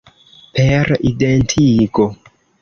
Per identigo.